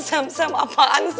sam sam apaan sih